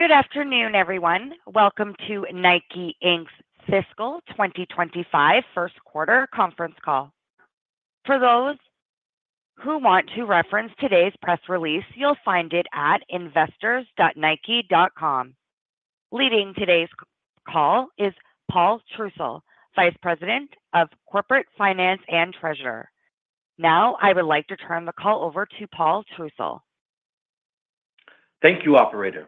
Good afternoon, everyone. Welcome to Nike Inc.'s Fiscal 2025 first quarter conference call. For those who want to reference today's press release, you'll find it at investors.nike.com. Leading today's call is Paul Trussell, Vice President of Corporate Finance and Treasurer. Now, I would like to turn the call over to Paul Trussell. Thank you, operator.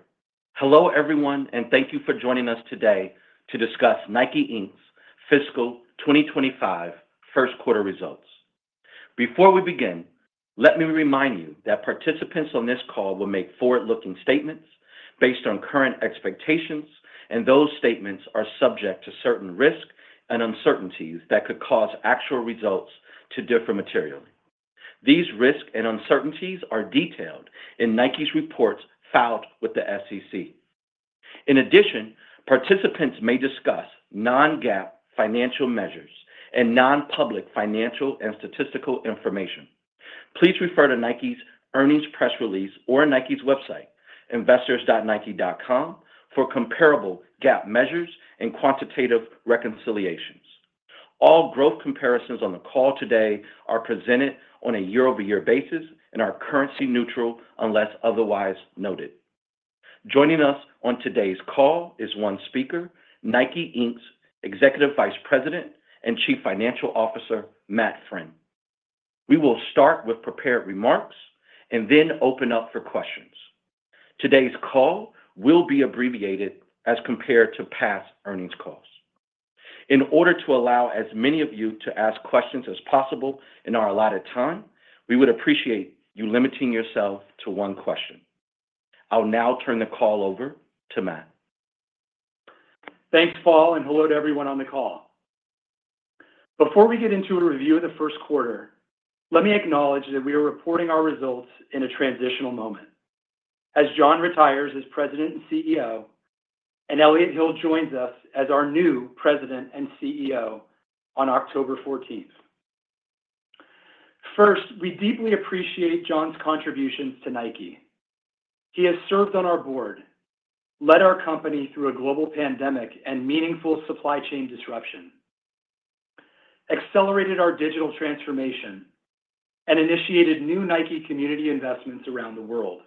Hello, everyone, and thank you for joining us today to discuss Nike, Inc.'s fiscal twenty twenty-five first quarter results. Before we begin, let me remind you that participants on this call will make forward-looking statements based on current expectations, and those statements are subject to certain risks and uncertainties that could cause actual results to differ materially. These risks and uncertainties are detailed in Nike's reports filed with the SEC. In addition, participants may discuss non-GAAP financial measures and non-public financial and statistical information. Please refer to Nike's earnings press release or Nike's website, investors.nike.com, for comparable GAAP measures and quantitative reconciliations. All growth comparisons on the call today are presented on a year-over-year basis and are currency neutral unless otherwise noted. Joining us on today's call is one speaker, Nike, Inc.'s Executive Vice President and Chief Financial Officer, Matt Friend. We will start with prepared remarks and then open up for questions. Today's call will be abbreviated as compared to past earnings calls. In order to allow as many of you to ask questions as possible in our allotted time, we would appreciate you limiting yourself to one question. I'll now turn the call over to Matt. Thanks, Paul, and hello to everyone on the call. Before we get into a review of the first quarter, let me acknowledge that we are reporting our results in a transitional moment as John retires as President and CEO, and Elliott Hill joins us as our new President and CEO on October fourteenth. First, we deeply appreciate John's contributions to Nike. He has served on our board, led our company through a global pandemic and meaningful supply chain disruption, accelerated our digital transformation, and initiated new Nike community investments around the world.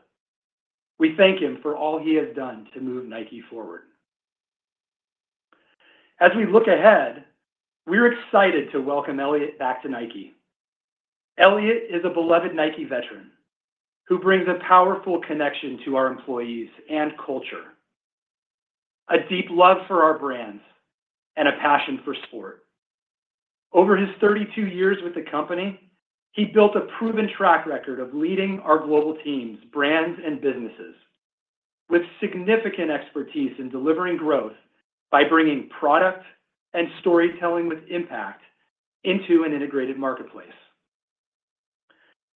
We thank him for all he has done to move Nike forward. As we look ahead, we're excited to welcome Elliott back to Nike. Elliott is a beloved Nike veteran, who brings a powerful connection to our employees and culture, a deep love for our brands, and a passion for sport. Over his thirty-two years with the company, he built a proven track record of leading our global teams, brands, and businesses with significant expertise in delivering growth by bringing product and storytelling with impact into an integrated marketplace.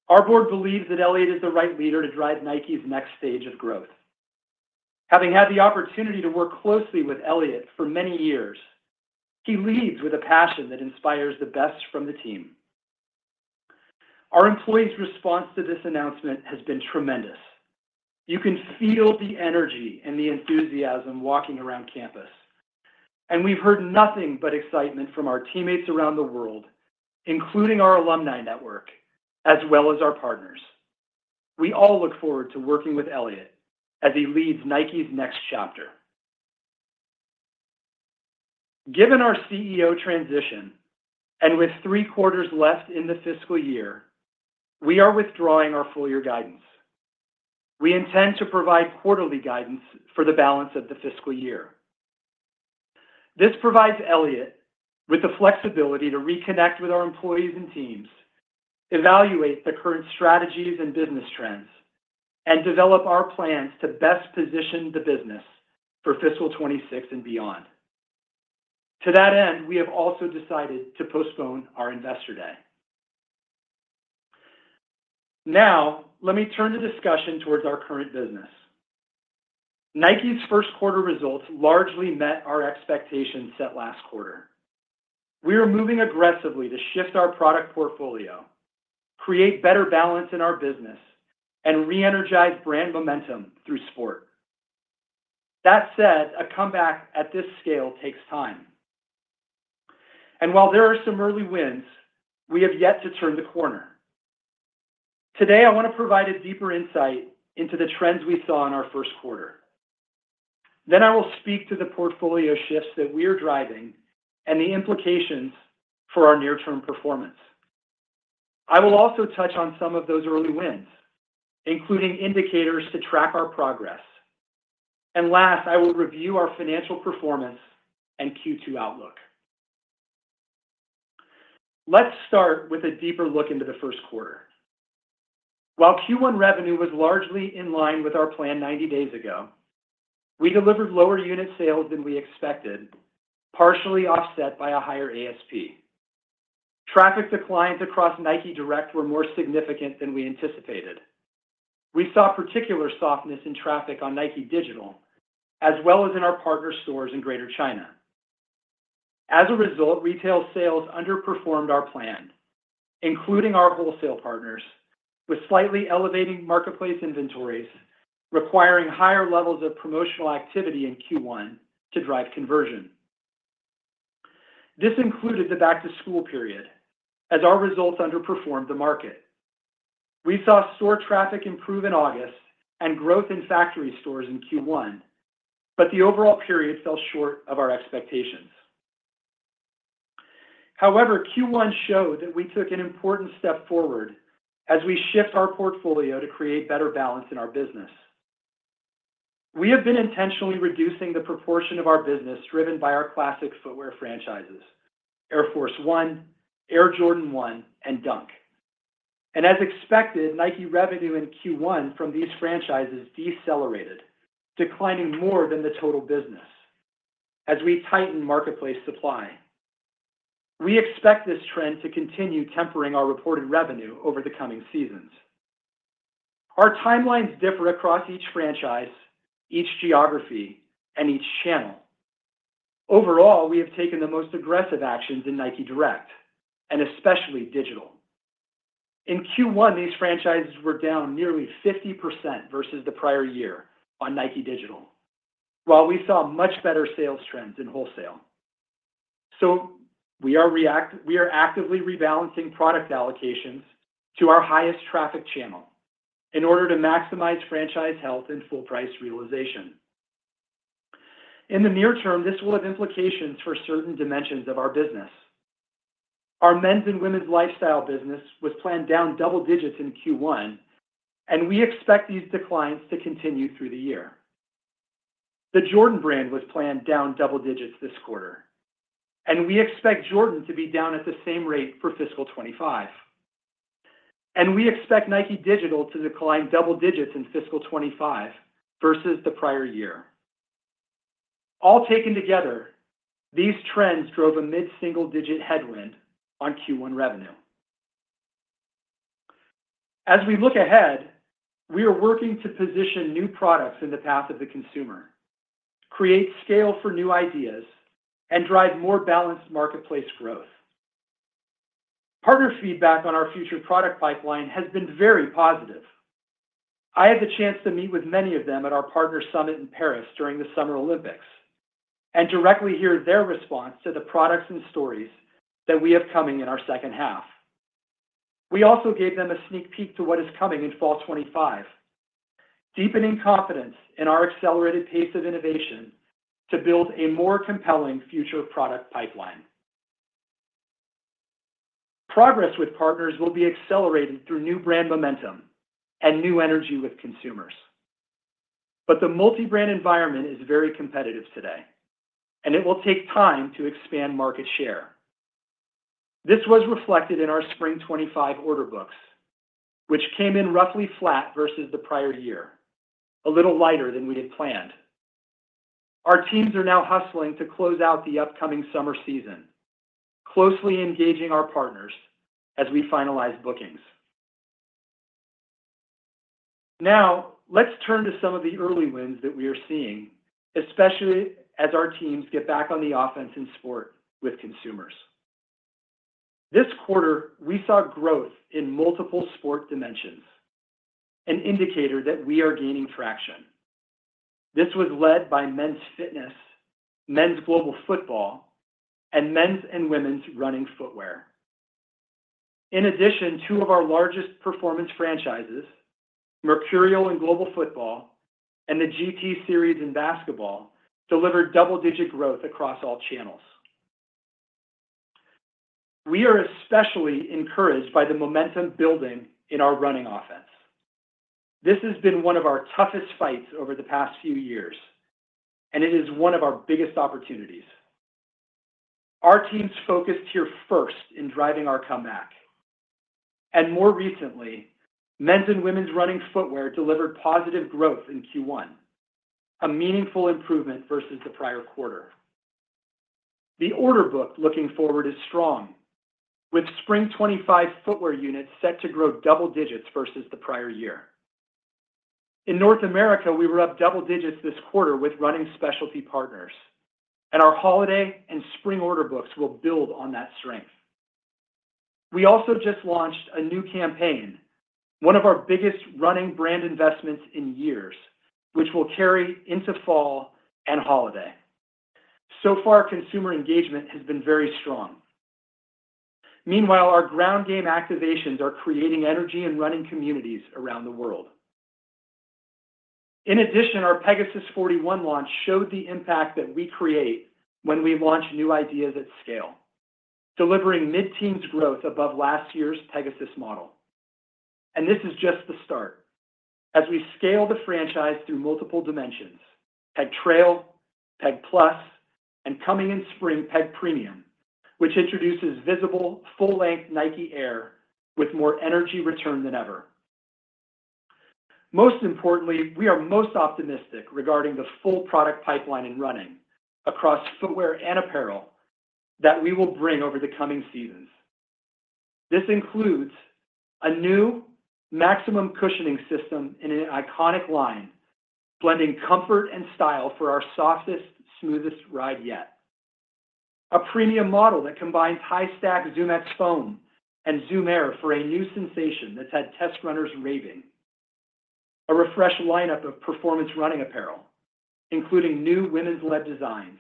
Our board believes that Elliott is the right leader to drive Nike's next stage of growth. Having had the opportunity to work closely with Elliott for many years, he leads with a passion that inspires the best from the team. Our employees' response to this announcement has been tremendous. You can feel the energy and the enthusiasm walking around campus, and we've heard nothing but excitement from our teammates around the world, including our alumni network, as well as our partners. We all look forward to working with Elliott as he leads Nike's next chapter. Given our CEO transition and with three quarters left in the fiscal year, we are withdrawing our full year guidance. We intend to provide quarterly guidance for the balance of the fiscal year. This provides Elliott with the flexibility to reconnect with our employees and teams, evaluate the current strategies and business trends, and develop our plans to best position the business for fiscal twenty-six and beyond. To that end, we have also decided to postpone our Investor Day. Now, let me turn the discussion towards our current business. Nike's first quarter results largely met our expectations set last quarter. We are moving aggressively to shift our product portfolio, create better balance in our business, and re-energize brand momentum through sport. That said, a comeback at this scale takes time, and while there are some early wins, we have yet to turn the corner. Today, I want to provide a deeper insight into the trends we saw in our first quarter. Then I will speak to the portfolio shifts that we are driving and the implications for our near-term performance. I will also touch on some of those early wins, including indicators to track our progress. And last, I will review our financial performance and Q2 outlook. Let's start with a deeper look into the first quarter. While Q1 revenue was largely in line with our plan ninety days ago, we delivered lower unit sales than we expected, partially offset by a higher ASP. Traffic declines across Nike Direct were more significant than we anticipated. We saw particular softness in traffic on Nike Digital, as well as in our partner stores in Greater China. As a result, retail sales underperformed our plan, including our wholesale partners, with slightly elevating marketplace inventories, requiring higher levels of promotional activity in Q1 to drive conversion. This included the back-to-school period, as our results underperformed the market. We saw store traffic improve in August and growth in factory stores in Q1, but the overall period fell short of our expectations. However, Q1 showed that we took an important step forward as we shift our portfolio to create better balance in our business. We have been intentionally reducing the proportion of our business driven by our classic footwear franchises, Air Force 1, Air Jordan 1, and Dunk, and as expected, Nike revenue in Q1 from these franchises decelerated, declining more than the total business as we tightened marketplace supply. We expect this trend to continue tempering our reported revenue over the coming seasons. Our timelines differ across each franchise, each geography, and each channel. Overall, we have taken the most aggressive actions in Nike Direct and especially digital. In Q1, these franchises were down nearly 50% versus the prior year on Nike Digital, while we saw much better sales trends in wholesale. So we are actively rebalancing product allocations to our highest traffic channel in order to maximize franchise health and full price realization. In the near term, this will have implications for certain dimensions of our business. Our men's and women's lifestyle business was planned down double digits in Q1, and we expect these declines to continue through the year. The Jordan Brand was planned down double digits this quarter, and we expect Jordan to be down at the same rate for fiscal 2025. We expect Nike Digital to decline double digits in Fiscal 2025 versus the prior year. All taken together, these trends drove a mid-single-digit headwind on Q1 revenue. As we look ahead, we are working to position new products in the path of the consumer, create scale for new ideas, and drive more balanced marketplace growth. Partner feedback on our future product pipeline has been very positive. I had the chance to meet with many of them at our partner summit in Paris during the Summer Olympics, and directly hear their response to the products and stories that we have coming in our second half. We also gave them a sneak peek to what is coming in Fall 2025, deepening confidence in our accelerated pace of innovation to build a more compelling future product pipeline. Progress with partners will be accelerated through new brand momentum and new energy with consumers. But the multi-brand environment is very competitive today, and it will take time to expand market share. This was reflected in our Spring 2025 order books, which came in roughly flat versus the prior year, a little lighter than we had planned. Our teams are now hustling to close out the upcoming summer season, closely engaging our partners as we finalize bookings. Now, let's turn to some of the early wins that we are seeing, especially as our teams get back on the offense in sport with consumers. This quarter, we saw growth in multiple sport dimensions, an indicator that we are gaining traction. This was led by men's fitness, men's global football, and men's and women's running footwear. In addition, two of our largest performance franchises, Mercurial and global football and the GT Series in basketball, delivered double-digit growth across all channels. We are especially encouraged by the momentum building in our running offense. This has been one of our toughest fights over the past few years, and it is one of our biggest opportunities. Our teams focused here first in driving our comeback, and more recently, men's and women's running footwear delivered positive growth in Q1, a meaningful improvement versus the prior quarter. The order book looking forward is strong, with Spring '25 footwear units set to grow double digits versus the prior year. In North America, we were up double digits this quarter with running specialty partners, and our holiday and spring order books will build on that strength. We also just launched a new campaign, one of our biggest running brand investments in years, which will carry into fall and holiday. So far, consumer engagement has been very strong. Meanwhile, our ground game activations are creating energy in running communities around the world. In addition, our Pegasus 41 launch showed the impact that we create when we launch new ideas at scale, delivering mid-teens growth above last year's Pegasus model, and this is just the start. As we scale the franchise through multiple dimensions, Peg Trail, Peg Plus, and coming in spring, Peg Premium, which introduces visible full-length Nike Air with more energy return than ever. Most importantly, we are most optimistic regarding the full product pipeline in running across footwear and apparel that we will bring over the coming seasons. This includes a new maximum cushioning system in an iconic line, blending comfort and style for our softest, smoothest ride yet. A premium model that combines high-stack ZoomX foam and Zoom Air for a new sensation that's had test runners raving. A refreshed lineup of performance running apparel, including new women's lead designs.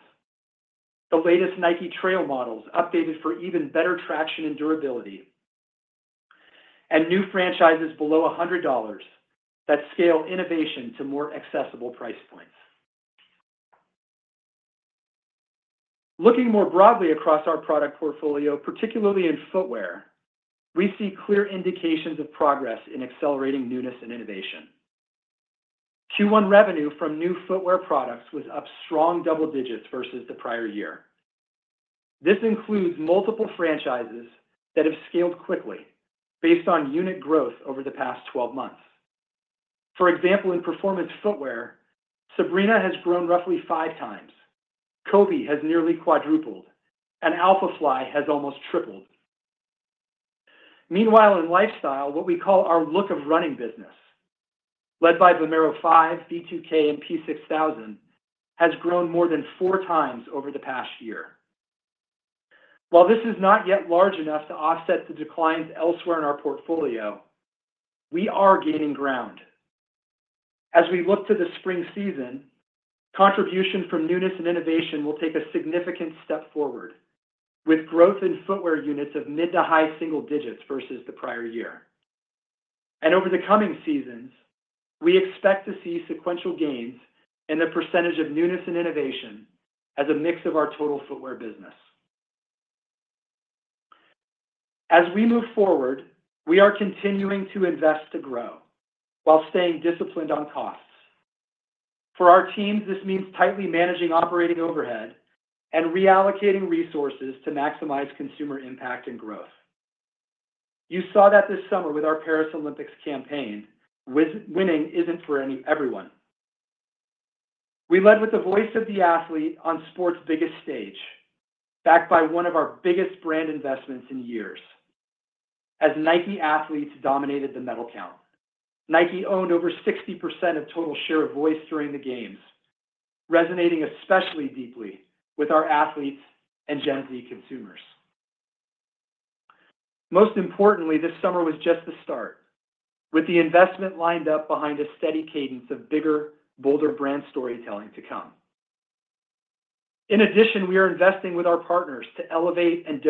The latest Nike Trail models, updated for even better traction and durability, and new franchises below $100 that scale innovation to more accessible price points. Looking more broadly across our product portfolio, particularly in footwear, we see clear indications of progress in accelerating newness and innovation. Q1 revenue from new footwear products was up strong double digits versus the prior year. This includes multiple franchises that have scaled quickly based on unit growth over the past twelve months. For example, in performance footwear, Sabrina has grown roughly five times, Kobe has nearly quadrupled, and Alphafly has almost tripled. Meanwhile, in lifestyle, what we call our look of running business, led by Vomero 5, V2K, and P-6000, has grown more than four times over the past year. While this is not yet large enough to offset the declines elsewhere in our portfolio, we are gaining ground. As we look to the spring season, contribution from newness and innovation will take a significant step forward, with growth in footwear units of mid to high single digits versus the prior year, and over the coming seasons, we expect to see sequential gains in the percentage of newness and innovation as a mix of our total footwear business. As we move forward, we are continuing to invest to grow while staying disciplined on costs. For our teams, this means tightly managing operating overhead and reallocating resources to maximize consumer impact and growth. You saw that this summer with our Paris Olympics campaign, Winning Isn't for Anyone. We led with the voice of the athlete on sports' biggest stage, backed by one of our biggest brand investments in years. As Nike athletes dominated the medal count, Nike owned over 60% of total share of voice during the games, resonating especially deeply with our athletes and Gen Z consumers. Most importantly, this summer was just the start, with the investment lined up behind a steady cadence of bigger, bolder brand storytelling to come. In addition, we are investing with our partners to elevate and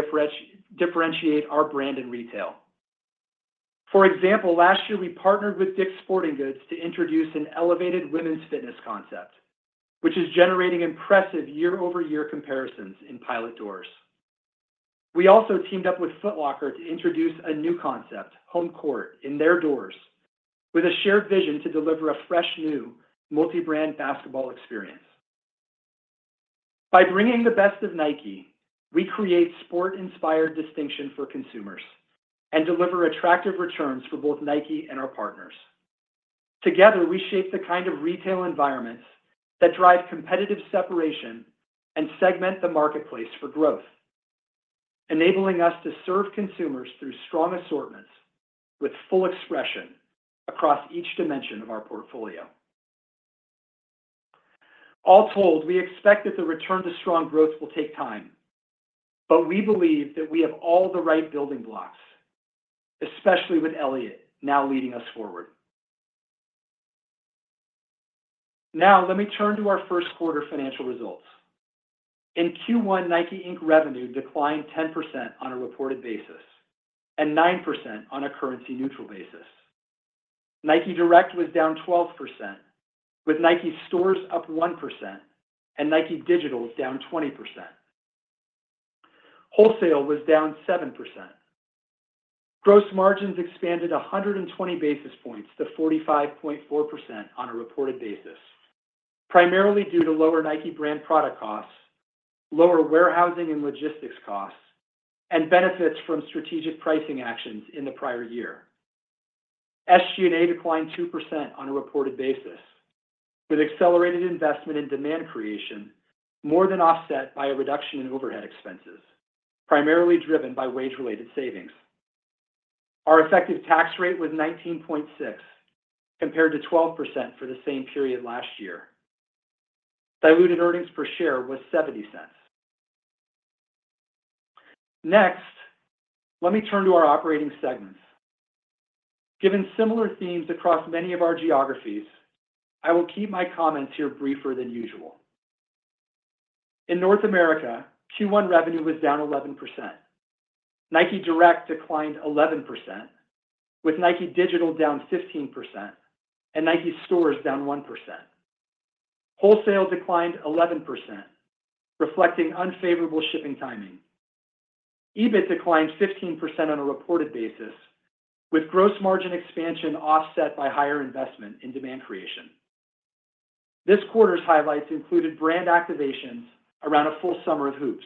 differentiate our brand in retail. For example, last year, we partnered with Dick's Sporting Goods to introduce an elevated women's fitness concept, which is generating impressive year-over-year comparisons in pilot doors. We also teamed up with Foot Locker to introduce a new concept, Home Court, in their doors, with a shared vision to deliver a fresh, new multi-brand basketball experience. By bringing the best of Nike, we create sport-inspired distinction for consumers and deliver attractive returns for both Nike and our partners. Together, we shape the kind of retail environments that drive competitive separation and segment the marketplace for growth, enabling us to serve consumers through strong assortments with full expression across each dimension of our portfolio. All told, we expect that the return to strong growth will take time, but we believe that we have all the right building blocks, especially with Elliott now leading us forward. Now, let me turn to our first quarter financial results. In Q1, Nike, Inc. revenue declined 10% on a reported basis and 9% on a currency neutral basis. Nike Direct was down 12%, with Nike stores up 1% and Nike Digital down 20%. Wholesale was down 7%. Gross margins expanded 120 basis points to 45.4% on a reported basis, primarily due to lower Nike brand product costs, lower warehousing and logistics costs, and benefits from strategic pricing actions in the prior year. SG&A declined 2% on a reported basis, with accelerated investment in demand creation more than offset by a reduction in overhead expenses, primarily driven by wage-related savings. Our effective tax rate was 19.6%, compared to 12% for the same period last year. Diluted earnings per share was $0.70. Next, let me turn to our operating segments. Given similar themes across many of our geographies, I will keep my comments here briefer than usual. In North America, Q1 revenue was down 11%. Nike Direct declined 11%, with Nike Digital down 15% and Nike stores down 1%. Wholesale declined 11%, reflecting unfavorable shipping timing. EBIT declined 15% on a reported basis, with gross margin expansion offset by higher investment in demand creation. This quarter's highlights included brand activations around a full summer of hoops.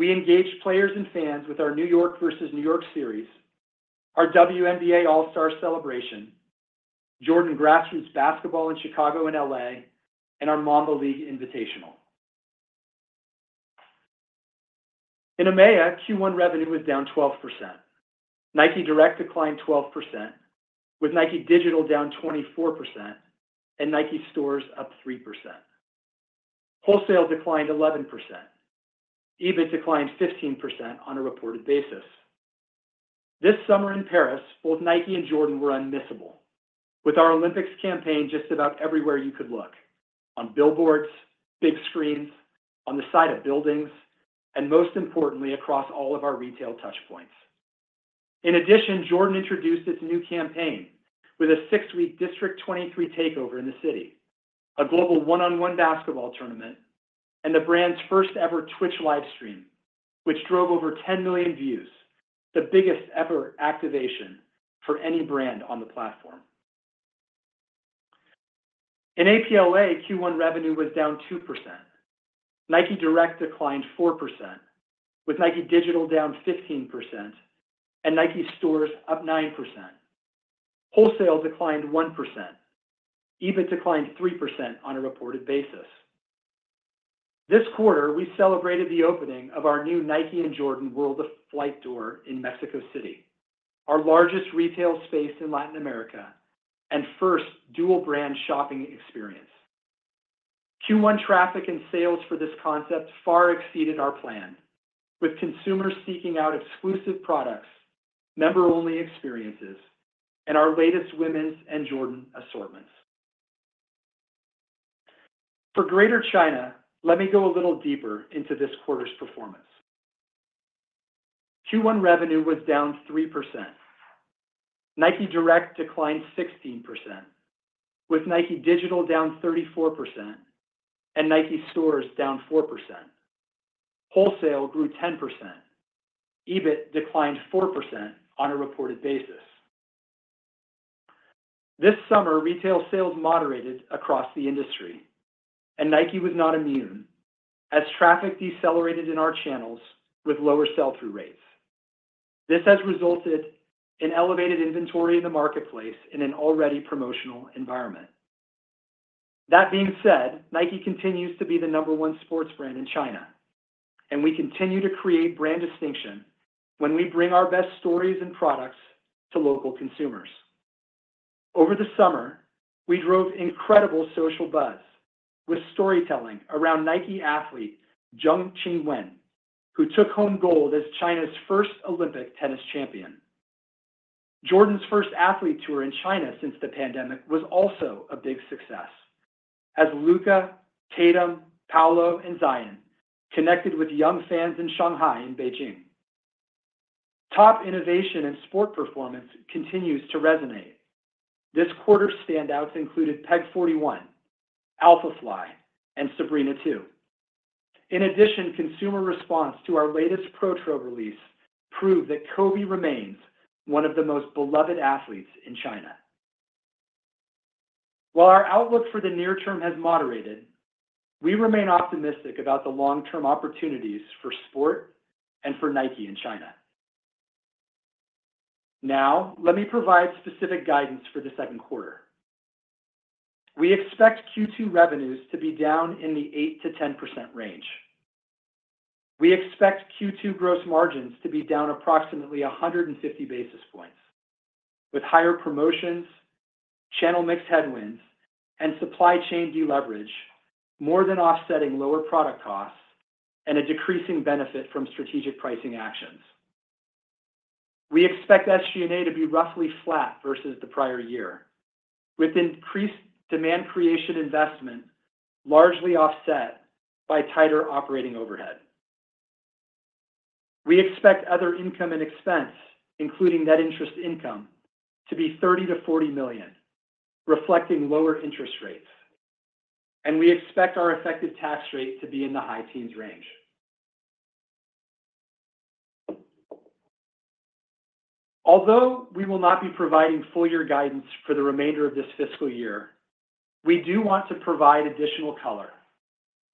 We engaged players and fans with our New York versus New York series, our WNBA All-Star celebration, Jordan Grassroots Basketball in Chicago and LA, and our Mamba League Invitational. In EMEA, Q1 revenue was down 12%. Nike Direct declined 12%, with Nike Digital down 24% and Nike stores up 3%. Wholesale declined 11%. EBIT declined 15% on a reported basis. This summer in Paris, both Nike and Jordan were unmissable, with our Olympics campaign just about everywhere you could look: on billboards, big screens, on the side of buildings, and most importantly, across all of our retail touchpoints. In addition, Jordan introduced its new campaign with a six-week District 23 takeover in the city, a global one-on-one basketball tournament, and the brand's first-ever Twitch live stream, which drove over 10 million views, the biggest ever activation for any brand on the platform. In APLA, Q1 revenue was down 2%. Nike Direct declined 4%, with Nike Digital down 15% and Nike stores up 9%. Wholesale declined 1%. EBIT declined 3% on a reported basis. This quarter, we celebrated the opening of our new Nike and Jordan World of Flight store in Mexico City, our largest retail space in Latin America and first dual-brand shopping experience. Q1 traffic and sales for this concept far exceeded our plan, with consumers seeking out exclusive products, member-only experiences, and our latest women's and Jordan assortments. For Greater China, let me go a little deeper into this quarter's performance. Q1 revenue was down 3%. Nike Direct declined 16%, with Nike Digital down 34% and Nike stores down 4%. Wholesale grew 10%. EBIT declined 4% on a reported basis. This summer, retail sales moderated across the industry, and Nike was not immune, as traffic decelerated in our channels with lower sell-through rates. This has resulted in elevated inventory in the marketplace in an already promotional environment. That being said, Nike continues to be the number one sports brand in China, and we continue to create brand distinction when we bring our best stories and products to local consumers. Over the summer, we drove incredible social buzz with storytelling around Nike athlete Zheng Qinwen, who took home gold as China's first Olympic tennis champion. Jordan's first athlete tour in China since the pandemic was also a big success, as Luka, Tatum, Paolo, and Zion connected with young fans in Shanghai and Beijing. Top innovation and sport performance continues to resonate. This quarter's standouts included Pegasus 41, Alphafly, and Sabrina 2. In addition, consumer response to our latest Protro release proved that Kobe remains one of the most beloved athletes in China. While our outlook for the near term has moderated, we remain optimistic about the long-term opportunities for sport and for Nike in China. Now, let me provide specific guidance for the second quarter. We expect Q2 revenues to be down in the 8%-10% range. We expect Q2 gross margins to be down approximately 150 basis points, with higher promotions, channel mix headwinds, and supply chain deleverage more than offsetting lower product costs and a decreasing benefit from strategic pricing actions. We expect SG&A to be roughly flat versus the prior year, with increased demand creation investment largely offset by tighter operating overhead. We expect other income and expense, including net interest income, to be $30-40 million, reflecting lower interest rates, and we expect our effective tax rate to be in the high teens% range. Although we will not be providing full year guidance for the remainder of this fiscal year, we do want to provide additional color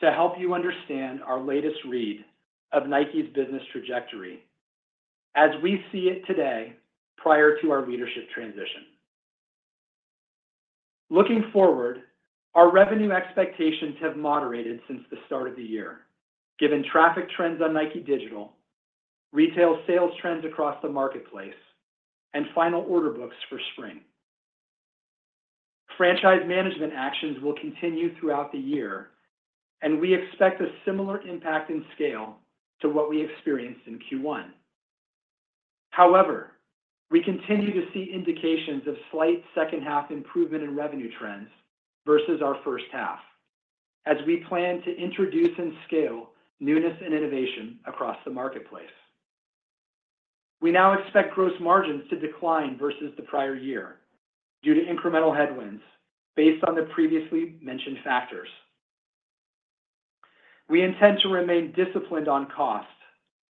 to help you understand our latest read of Nike's business trajectory as we see it today prior to our leadership transition. Looking forward, our revenue expectations have moderated since the start of the year, given traffic trends on Nike Digital, retail sales trends across the marketplace, and final order books for spring. Franchise management actions will continue throughout the year, and we expect a similar impact and scale to what we experienced in Q1. However, we continue to see indications of slight second half improvement in revenue trends versus our first half, as we plan to introduce and scale newness and innovation across the marketplace. We now expect gross margins to decline versus the prior year due to incremental headwinds based on the previously mentioned factors. We intend to remain disciplined on cost,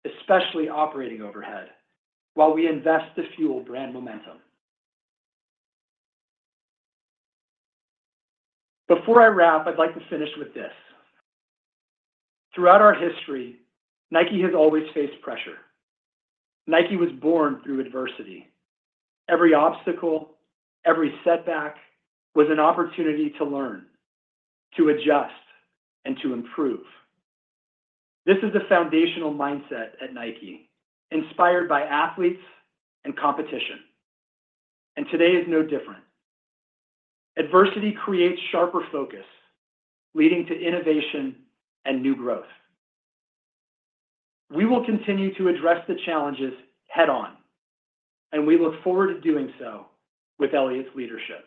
especially operating overhead, while we invest to fuel brand momentum. Before I wrap, I'd like to finish with this: Throughout our history, Nike has always faced pressure. Nike was born through adversity. Every obstacle, every setback, was an opportunity to learn, to adjust, and to improve. This is a foundational mindset at Nike, inspired by athletes and competition, and today is no different. Adversity creates sharper focus, leading to innovation and new growth. We will continue to address the challenges head-on, and we look forward to doing so with Elliot's leadership.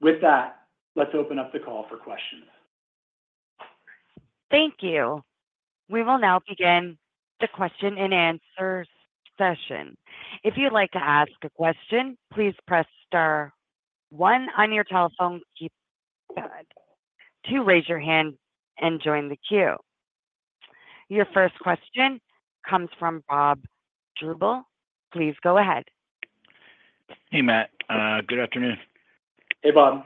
With that, let's open up the call for questions. Thank you. We will now begin the question and answer session. If you'd like to ask a question, please press star one on your telephone keypad to raise your hand and join the queue. Your first question comes from Bob Drbul. Please go ahead. Hey, Matt. Good afternoon. Hey, Bob.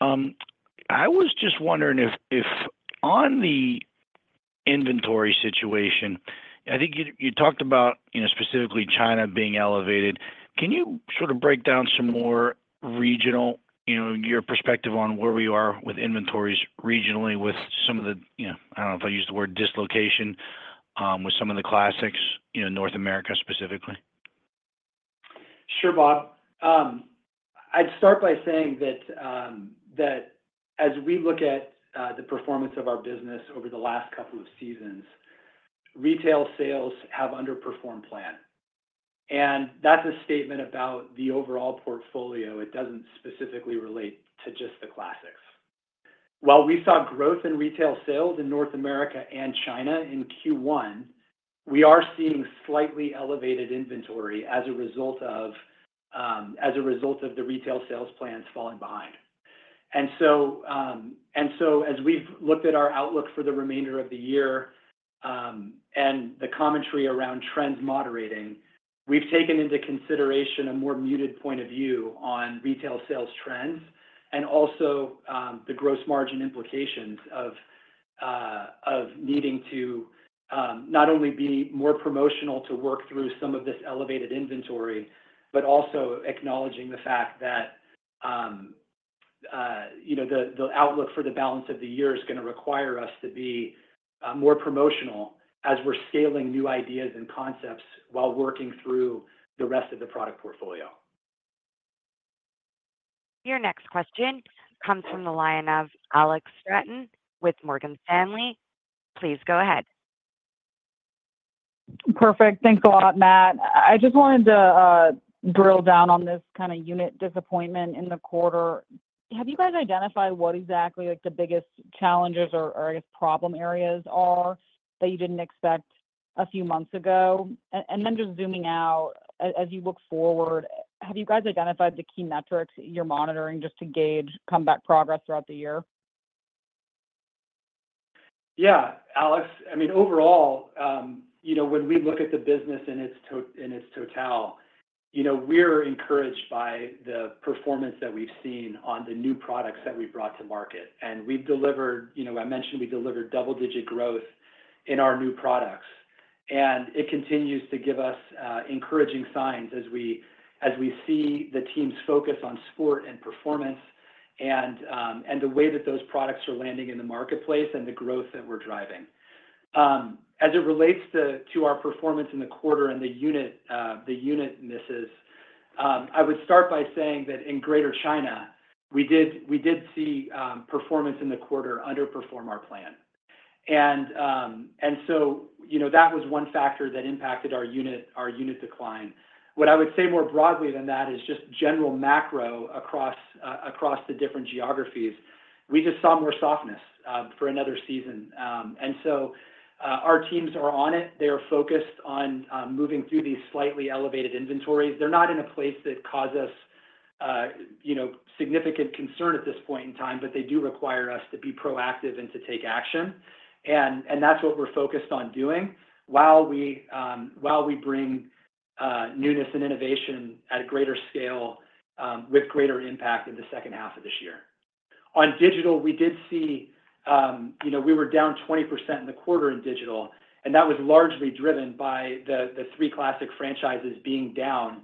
I was just wondering if on the inventory situation, I think you talked about, you know, specifically China being elevated. Can you sort of break down some more regional, you know, your perspective on where we are with inventories regionally with some of the, you know, I don't know if I'd use the word dislocation, with some of the classics, you know, North America specifically? Sure, Bob. I'd start by saying that as we look at the performance of our business over the last couple of seasons, retail sales have underperformed plan. And that's a statement about the overall portfolio. It doesn't specifically relate to just the classics. While we saw growth in retail sales in North America and China in Q1, we are seeing slightly elevated inventory as a result of the retail sales plans falling behind. As we've looked at our outlook for the remainder of the year, and the commentary around trends moderating, we've taken into consideration a more muted point of view on retail sales trends, and also the gross margin implications of needing to not only be more promotional to work through some of this elevated inventory, but also acknowledging the fact that, you know, the outlook for the balance of the year is gonna require us to be more promotional as we're scaling new ideas and concepts while working through the rest of the product portfolio. Your next question comes from the line of Alex Straton with Morgan Stanley. Please go ahead. Perfect. Thanks a lot, Matt. I just wanted to drill down on this kinda unit disappointment in the quarter. Have you guys identified what exactly, like, the biggest challenges or I guess, problem areas are that you didn't expect a few months ago? And then just zooming out, as you look forward, have you guys identified the key metrics you're monitoring just to gauge comeback progress throughout the year? Yeah, Alex. I mean, overall, you know, when we look at the business in its total, you know, we're encouraged by the performance that we've seen on the new products that we've brought to market. And we've delivered, you know, I mentioned we delivered double-digit growth in our new products, and it continues to give us encouraging signs as we see the teams focus on sport and performance, and the way that those products are landing in the marketplace and the growth that we're driving. As it relates to our performance in the quarter and the unit misses, I would start by saying that in Greater China, we did see performance in the quarter underperform our plan. So, you know, that was one factor that impacted our unit decline. What I would say more broadly than that is just general macro across the different geographies. We just saw more softness for another season. So, our teams are on it. They are focused on moving through these slightly elevated inventories. They're not in a place that cause us, you know, significant concern at this point in time, but they do require us to be proactive and to take action. And that's what we're focused on doing while we bring newness and innovation at a greater scale, with greater impact in the second half of this year. On digital, we did see, you know, we were down 20% in the quarter in digital, and that was largely driven by the three classic franchises being down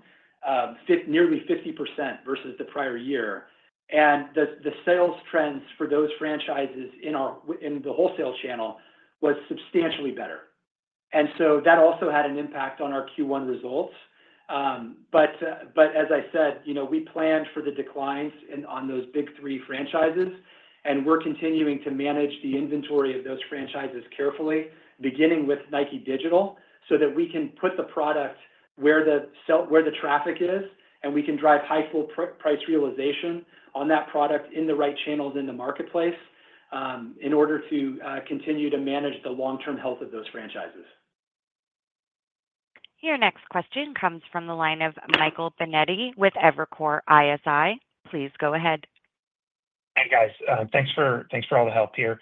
nearly 50% versus the prior year. And the sales trends for those franchises in the wholesale channel was substantially better. And so, that also had an impact on our Q1 results. But as I said, you know, we planned for the declines in on those big three franchises, and we're continuing to manage the inventory of those franchises carefully, beginning with Nike Digital, so that we can put the product where the traffic is, and we can drive high full price realization on that product in the right channels in the marketplace, in order to continue to manage the long-term health of those franchises. Your next question comes from the line of Michael Binetti with Evercore ISI. Please go ahead. Hey, guys. Thanks for all the help here.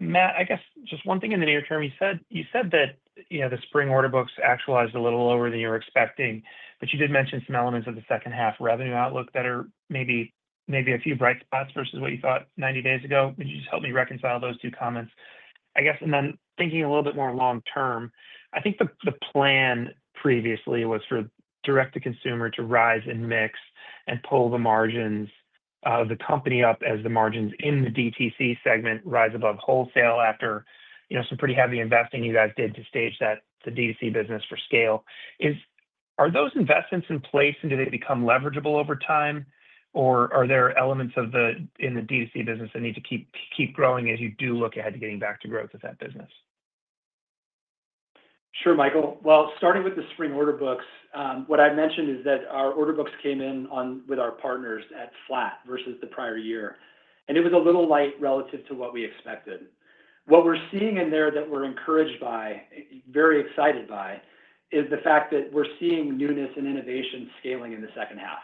Matt, I guess just one thing in the near term, you said that, you know, the spring order books actualized a little lower than you were expecting, but you did mention some elements of the second half revenue outlook that are maybe a few bright spots versus what you thought ninety days ago. Would you just help me reconcile those two comments? I guess, and then thinking a little bit more long term, I think the plan previously was for direct to consumer to rise in mix and pull the margins of the company up as the margins in the DTC segment rise above wholesale after, you know, some pretty heavy investing you guys did to stage that, the DTC business for scale. Are those investments in place and do they become leverageable over time, or are there elements of the in the DTC business that need to keep growing as you do look ahead to getting back to growth of that business? Sure, Michael. Well, starting with the spring order books, what I mentioned is that our order books came in on with our partners at flat versus the prior year, and it was a little light relative to what we expected. What we're seeing in there that we're encouraged by, very excited by, is the fact that we're seeing newness and innovation scaling in the second half.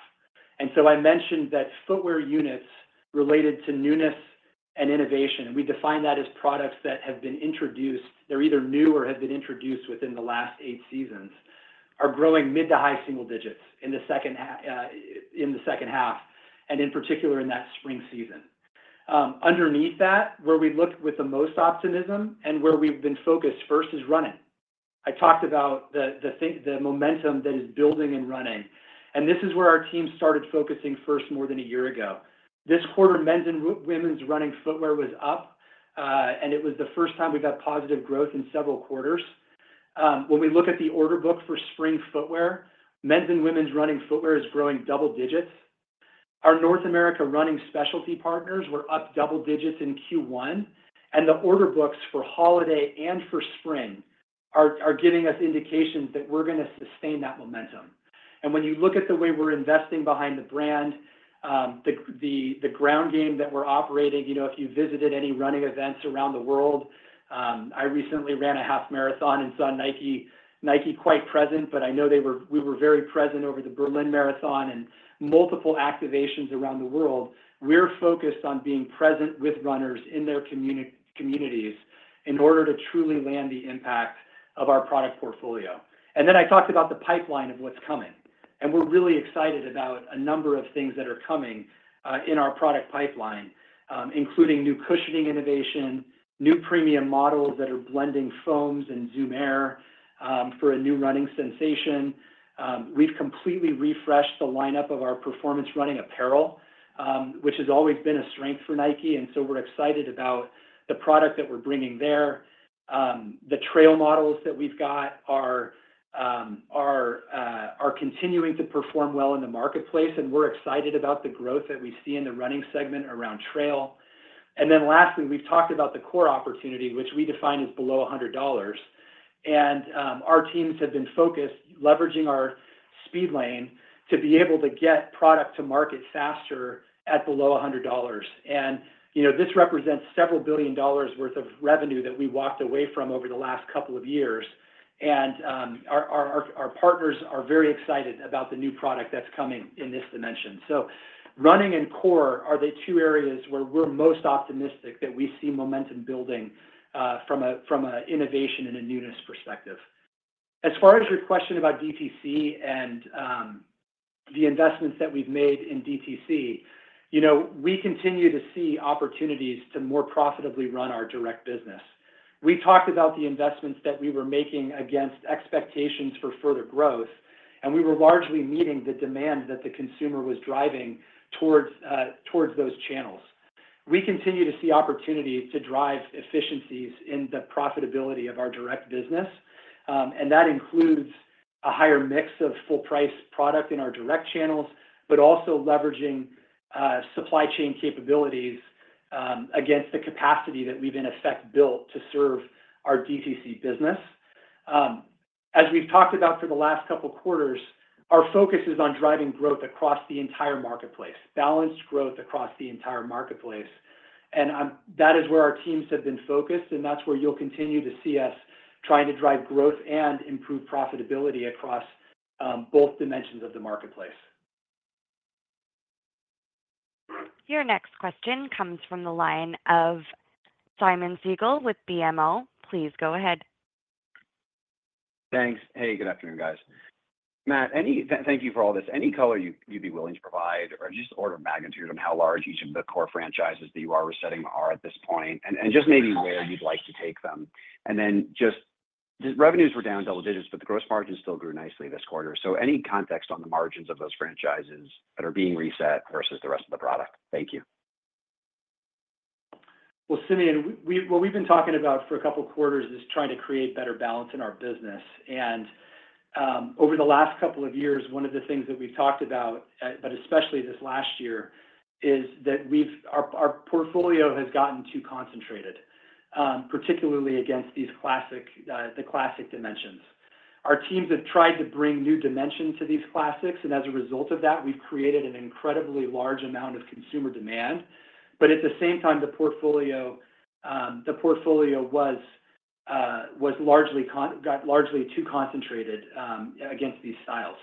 And so I mentioned that footwear units related to newness and innovation, we define that as products that have been introduced. They're either new or have been introduced within the last eight seasons, are growing mid to high single digits in the second half, and in particular, in that spring season. Underneath that, where we look with the most optimism and where we've been focused first is running. I talked about the momentum that is building in running, and this is where our team started focusing first more than a year ago. This quarter, men's and women's running footwear was up, and it was the first time we got positive growth in several quarters. When we look at the order book for spring footwear, men's and women's running footwear is growing double digits. Our North America Running Specialty partners were up double digits in Q1, and the order books for holiday and for spring are giving us indications that we're going to sustain that momentum. And when you look at the way we're investing behind the brand, the ground game that we're operating, you know, if you visited any running events around the world, I recently ran a half marathon and saw Nike quite present, but I know we were very present over the Berlin Marathon and multiple activations around the world. We're focused on being present with runners in their communities in order to truly land the impact of our product portfolio. And then I talked about the pipeline of what's coming, and we're really excited about a number of things that are coming in our product pipeline, including new cushioning innovation, new premium models that are blending foams and Zoom Air, for a new running sensation. We've completely refreshed the lineup of our performance running apparel, which has always been a strength for Nike, and so we're excited about the product that we're bringing there. The trail models that we've got are continuing to perform well in the marketplace, and we're excited about the growth that we see in the running segment around trail. Then lastly, we've talked about the core opportunity, which we define as below $100. Our teams have been focused, leveraging our speed lane to be able to get product to market faster at below $100. You know, this represents $several billion worth of revenue that we walked away from over the last couple of years. Our partners are very excited about the new product that's coming in this dimension. So running and core are the two areas where we're most optimistic that we see momentum building, from a innovation and a newness perspective. As far as your question about DTC and the investments that we've made in DTC, you know, we continue to see opportunities to more profitably run our direct business. We talked about the investments that we were making against expectations for further growth, and we were largely meeting the demand that the consumer was driving towards those channels. We continue to see opportunities to drive efficiencies in the profitability of our direct business, and that includes a higher mix of full price product in our direct channels, but also leveraging supply chain capabilities against the capacity that we've in effect built to serve our DTC business. As we've talked about for the last couple of quarters, our focus is on driving growth across the entire marketplace, balanced growth across the entire marketplace. That is where our teams have been focused, and that's where you'll continue to see us trying to drive growth and improve profitability across both dimensions of the marketplace. Your next question comes from the line of Simeon Siegel with BMO. Please go ahead. Thanks. Hey, good afternoon, guys. Matt, thank you for all this. Any color you'd be willing to provide or just order of magnitude on how large each of the core franchises that you are resetting are at this point, and just maybe where you'd like to take them? And then just, the revenues were down double digits, but the gross margins still grew nicely this quarter. So any context on the margins of those franchises that are being reset versus the rest of the product? Thank you. Well, Simeon, what we've been talking about for a couple of quarters is trying to create better balance in our business. And, over the last couple of years, one of the things that we've talked about, but especially this last year, is that our portfolio has gotten too concentrated, particularly against these classic, the classic dimensions. Our teams have tried to bring new dimension to these classics, and as a result of that, we've created an incredibly large amount of consumer demand. But at the same time, the portfolio was largely too concentrated against these styles.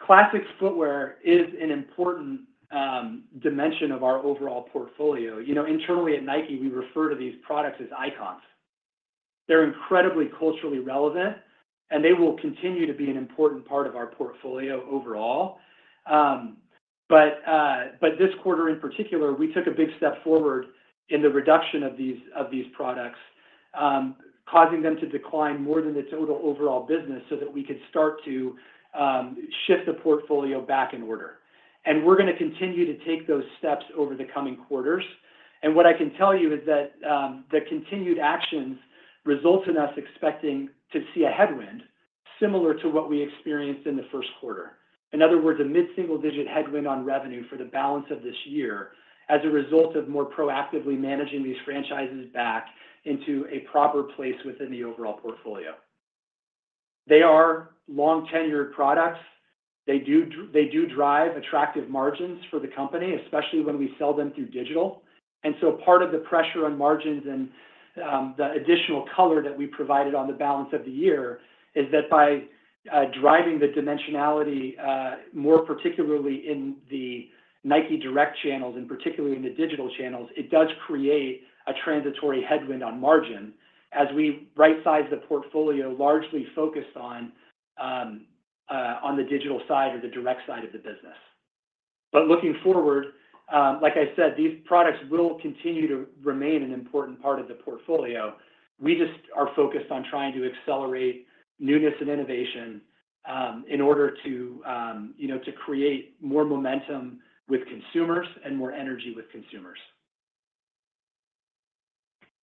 Classics footwear is an important dimension of our overall portfolio. You know, internally at Nike, we refer to these products as icons... They're incredibly culturally relevant, and they will continue to be an important part of our portfolio overall. But this quarter, in particular, we took a big step forward in the reduction of these products, causing them to decline more than the total overall business so that we could start to shift the portfolio back in order. And we're going to continue to take those steps over the coming quarters. And what I can tell you is that the continued actions result in us expecting to see a headwind similar to what we experienced in the first quarter. In other words, a mid-single-digit headwind on revenue for the balance of this year as a result of more proactively managing these franchises back into a proper place within the overall portfolio. They are long-tenured products. They do drive attractive margins for the company, especially when we sell them through digital. And so part of the pressure on margins and the additional color that we provided on the balance of the year is that by driving the dimensionality more particularly in the Nike Direct channels and particularly in the digital channels, it does create a transitory headwind on margin as we right-size the portfolio, largely focused on the digital side or the direct side of the business. But looking forward, like I said, these products will continue to remain an important part of the portfolio. We just are focused on trying to accelerate newness and innovation in order to you know to create more momentum with consumers and more energy with consumers.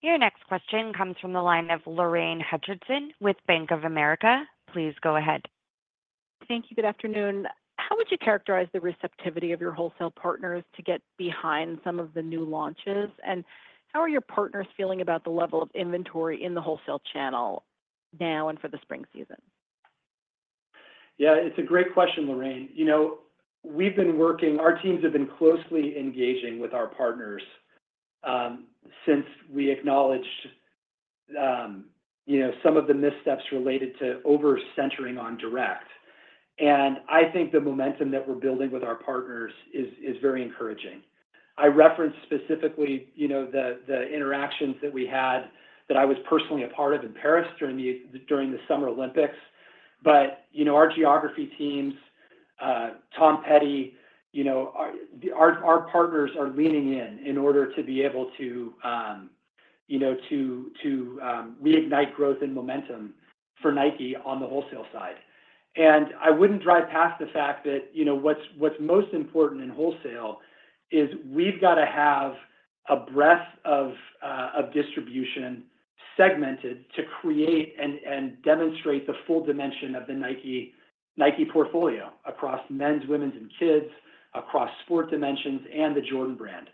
Your next question comes from the line of Lorraine Hutchinson with Bank of America. Please go ahead. Thank you. Good afternoon. How would you characterize the receptivity of your wholesale partners to get behind some of the new launches? And how are your partners feeling about the level of inventory in the wholesale channel now and for the spring season? Yeah, it's a great question, Lorraine. You know, we've been working, our teams have been closely engaging with our partners since we acknowledged you know, some of the missteps related to over-centering on direct. And I think the momentum that we're building with our partners is very encouraging. I referenced specifically, you know, the interactions that we had that I was personally a part of in Paris during the Summer Olympics. But, you know, our geography teams, Tom Peddie, you know, our partners are leaning in order to be able to you know, to reignite growth and momentum for Nike on the wholesale side. And I wouldn't drive past the fact that, you know, what's most important in wholesale is we've got to have a breadth of a distribution segmented to create and demonstrate the full dimension of the Nike portfolio across men's, women's, and kids, across sport dimensions, and the Jordan Brand.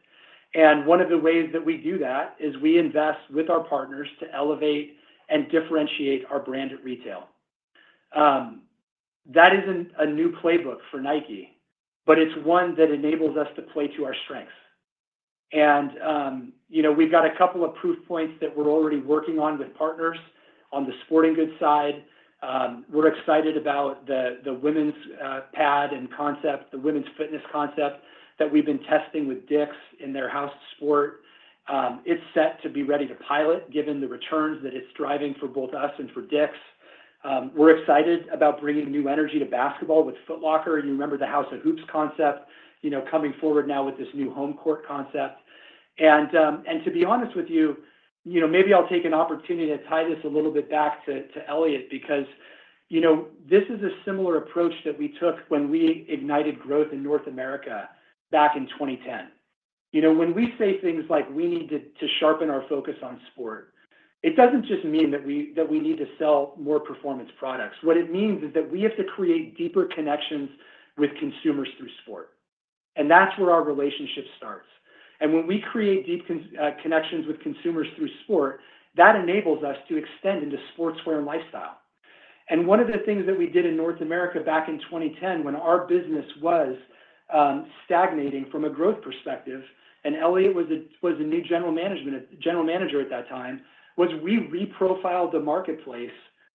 And one of the ways that we do that is we invest with our partners to elevate and differentiate our brand at retail. That isn't a new playbook for Nike, but it's one that enables us to play to our strengths. And, you know, we've got a couple of proof points that we're already working on with partners on the sporting goods side. We're excited about the women's fitness concept, the women's fitness concept that we've been testing with Dick's in their House of Sport. It's set to be ready to pilot, given the returns that it's driving for both us and for Dick's. We're excited about bringing new energy to basketball with Foot Locker. You remember the House of Hoops concept, you know, coming forward now with this new Home Court concept. And to be honest with you, you know, maybe I'll take an opportunity to tie this a little bit back to Elliott, because, you know, this is a similar approach that we took when we ignited growth in North America back in 2010. You know, when we say things like, "We need to sharpen our focus on sport," it doesn't just mean that we need to sell more performance products. What it means is that we have to create deeper connections with consumers through sport, and that's where our relationship starts. And when we create deep connections with consumers through sport, that enables us to extend into sportswear and lifestyle. And one of the things that we did in North America back in 2010, when our business was stagnating from a growth perspective, and Elliott was the new general manager at that time, was we reprofiled the marketplace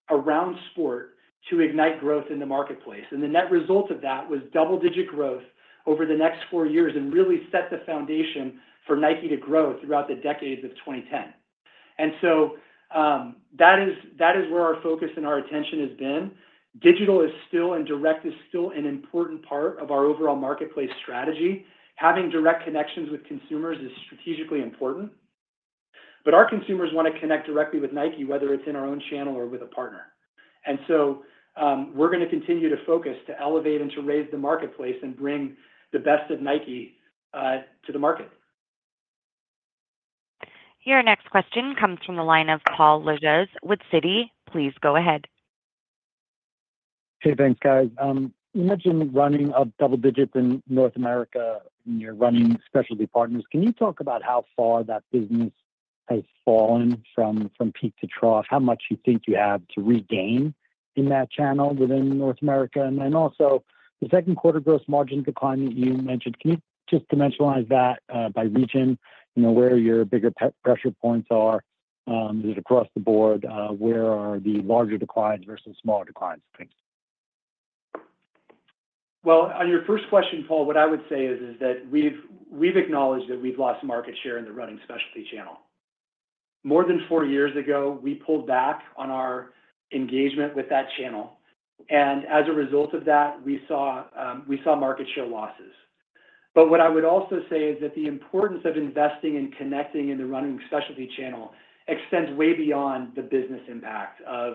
around sport to ignite growth in the marketplace. And the net result of that was double-digit growth over the next four years and really set the foundation for Nike to grow throughout the decades of 2010. And so, that is where our focus and our attention has been. Digital is still, and direct is still an important part of our overall marketplace strategy. Having direct connections with consumers is strategically important, but our consumers want to connect directly with Nike, whether it's in our own channel or with a partner. And so, we're going to continue to focus, to elevate, and to raise the marketplace and bring the best of Nike to the market. Your next question comes from the line of Paul Lejuez with Citi. Please go ahead. Hey, thanks, guys. You mentioned running up double digits in North America in your running specialty partners. Can you talk about how far that business has fallen from peak to trough? How much you think you have to regain in that channel within North America? And then also, the second quarter gross margin decline that you mentioned, can you just dimensionalize that by region? You know, where your bigger pressure points are, is it across the board? Where are the larger declines versus smaller declines? Thanks. On your first question, Paul, what I would say is that we've acknowledged that we've lost market share in the running specialty channel. More than four years ago, we pulled back on our engagement with that channel, and as a result of that, we saw market share losses. But what I would also say is that the importance of investing and connecting in the running specialty channel extends way beyond the business impact of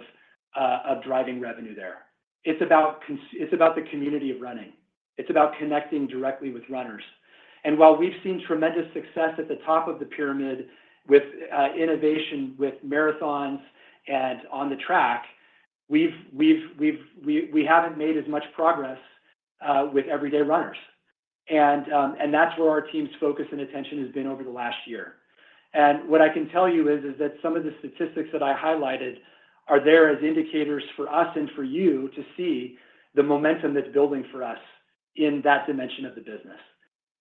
driving revenue there. It's about the community of running. It's about connecting directly with runners. And while we've seen tremendous success at the top of the pyramid with innovation, with marathons, and on the track, we haven't made as much progress with everyday runners. That's where our team's focus and attention has been over the last year. What I can tell you is that some of the statistics that I highlighted are there as indicators for us and for you to see the momentum that's building for us in that dimension of the business.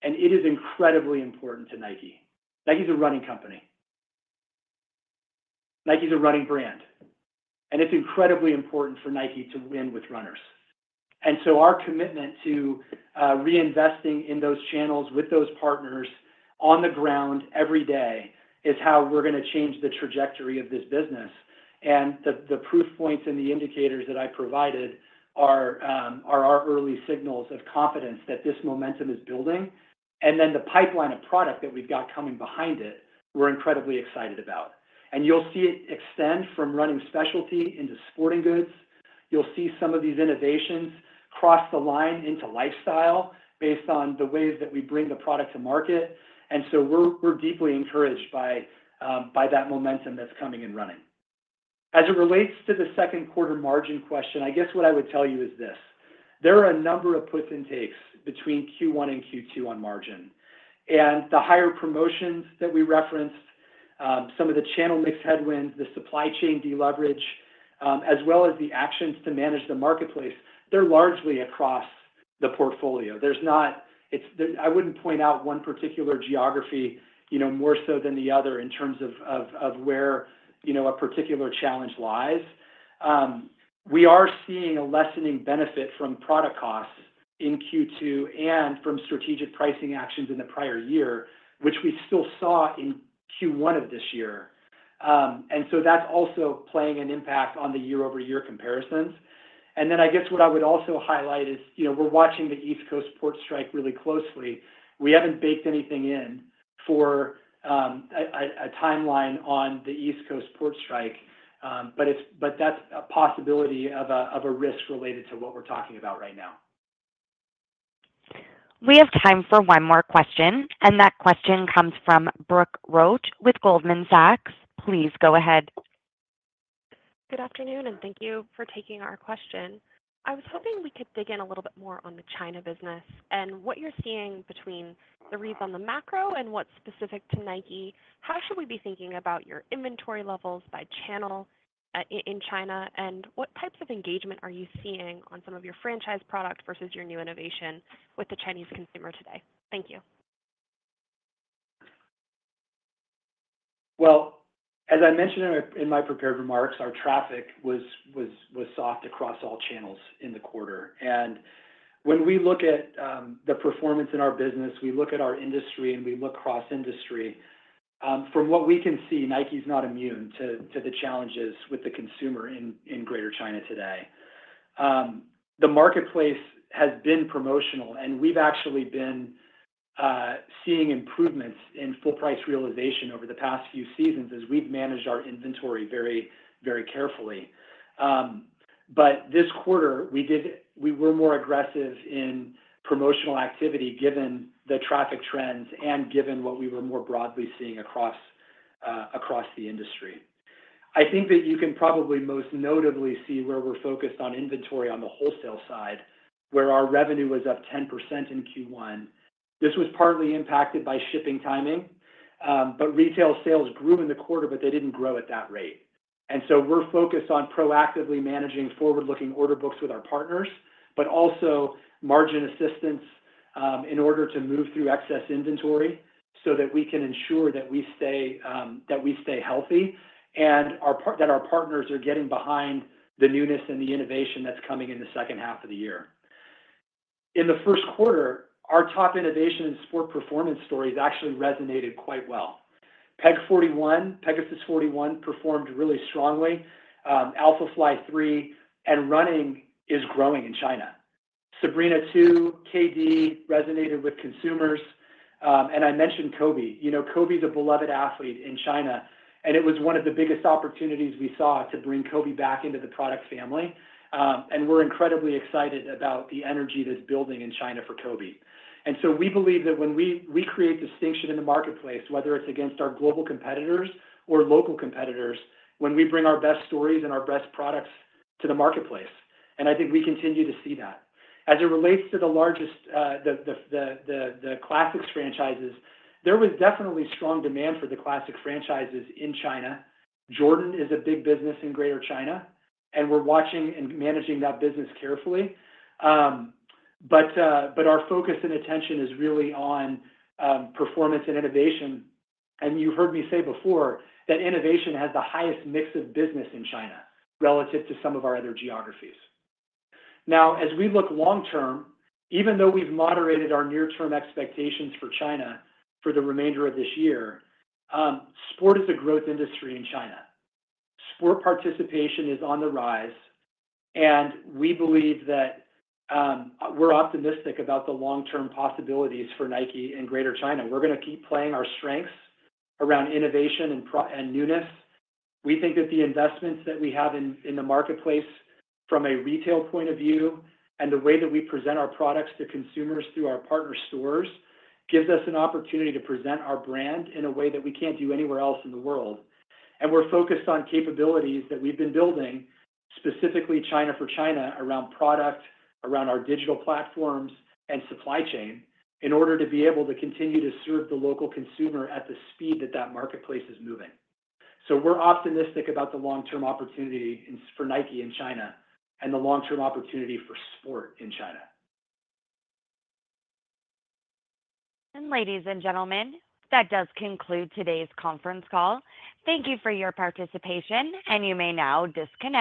It is incredibly important to Nike. Nike's a running company. Nike's a running brand, and it's incredibly important for Nike to win with runners. Our commitment to reinvesting in those channels with those partners on the ground every day is how we're gonna change the trajectory of this business. The proof points and the indicators that I provided are our early signals of confidence that this momentum is building. The pipeline of product that we've got coming behind it, we're incredibly excited about. You'll see it extend from running specialty into sporting goods. You'll see some of these innovations cross the line into lifestyle based on the ways that we bring the product to market. And so we're deeply encouraged by that momentum that's coming in running. As it relates to the second quarter margin question, I guess what I would tell you is this: there are a number of puts and takes between Q1 and Q2 on margin. And the higher promotions that we referenced, some of the channel mix headwinds, the supply chain deleverage, as well as the actions to manage the marketplace, they're largely across the portfolio. It's the, I wouldn't point out one particular geography, you know, more so than the other in terms of where, you know, a particular challenge lies. We are seeing a lessening benefit from product costs in Q2 and from strategic pricing actions in the prior year, which we still saw in Q1 of this year. And so that's also playing an impact on the year-over-year comparisons. And then, I guess what I would also highlight is, you know, we're watching the East Coast port strike really closely. We haven't baked anything in for a timeline on the East Coast port strike, but that's a possibility of a risk related to what we're talking about right now. We have time for one more question, and that question comes from Brooke Roach with Goldman Sachs. Please go ahead. Good afternoon, and thank you for taking our question. I was hoping we could dig in a little bit more on the China business and what you're seeing between the reads on the macro and what's specific to Nike. How should we be thinking about your inventory levels by channel, in China? And what types of engagement are you seeing on some of your franchise product versus your new innovation with the Chinese consumer today? Thank you. As I mentioned in my prepared remarks, our traffic was soft across all channels in the quarter. When we look at the performance in our business, we look at our industry and we look cross-industry. From what we can see, Nike's not immune to the challenges with the consumer in Greater China today. The marketplace has been promotional, and we've actually been seeing improvements in full price realization over the past few seasons as we've managed our inventory very carefully. This quarter, we were more aggressive in promotional activity, given the traffic trends and given what we were more broadly seeing across the industry. I think that you can probably most notably see where we're focused on inventory on the wholesale side, where our revenue was up 10% in Q1. This was partly impacted by shipping timing, but retail sales grew in the quarter, but they didn't grow at that rate. So we're focused on proactively managing forward-looking order books with our partners, but also margin assistance, in order to move through excess inventory, so that we can ensure that we stay healthy, and that our partners are getting behind the newness and the innovation that's coming in the second half of the year. In the first quarter, our top innovation and sport performance stories actually resonated quite well. Pegasus 41 performed really strongly, Alphafly 3, and running is growing in China. Sabrina 2, KD resonated with consumers, and I mentioned Kobe. You know, Kobe is a beloved athlete in China, and it was one of the biggest opportunities we saw to bring Kobe back into the product family. And we're incredibly excited about the energy that's building in China for Kobe. And so we believe that when we create distinction in the marketplace, whether it's against our global competitors or local competitors, when we bring our best stories and our best products to the marketplace. And I think we continue to see that. As it relates to the largest, the classics franchises, there was definitely strong demand for the classic franchises in China. Jordan is a big business in Greater China, and we're watching and managing that business carefully. But our focus and attention is really on performance and innovation. And you've heard me say before that innovation has the highest mix of business in China relative to some of our other geographies. Now, as we look long term, even though we've moderated our near-term expectations for China for the remainder of this year, sport is a growth industry in China. Sport participation is on the rise, and we believe that, we're optimistic about the long-term possibilities for Nike in Greater China. We're gonna keep playing our strengths around innovation and pro- and newness. We think that the investments that we have in the marketplace from a retail point of view, and the way that we present our products to consumers through our partner stores, gives us an opportunity to present our brand in a way that we can't do anywhere else in the world. We're focused on capabilities that we've been building, specifically China-for-China, around product, around our digital platforms and supply chain, in order to be able to continue to serve the local consumer at the speed that marketplace is moving. We're optimistic about the long-term opportunity in for Nike in China, and the long-term opportunity for sport in China. Ladies and gentlemen, that does conclude today's conference call. Thank you for your participation, and you may now disconnect.